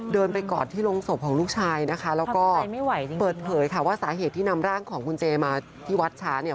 เดินไปกอดที่โรงศพของลูกชายนะคะแล้วก็เปิดเผยค่ะว่าสาเหตุที่นำร่างของคุณเจมาที่วัดช้าเนี่ย